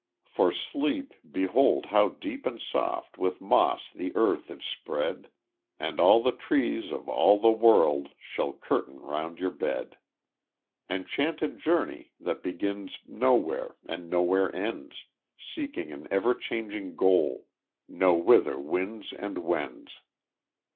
For sleep, behold how deep and soft With moss the earth is spread, And all the trees of all the world Shall curtain round your bed. Enchanted journey! that begins Nowhere, and nowhere ends, Seeking an ever changing goal, Nowhither winds and wends.